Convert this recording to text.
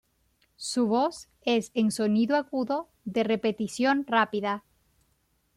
Su voz es en sonido agudo, de repetición rápida.